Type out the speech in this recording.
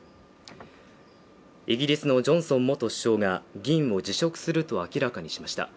イギリスのジョンソン元首相が議員を辞職すると明らかにしました。